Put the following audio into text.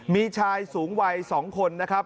มีชายสูงวัย๒คนนะครับ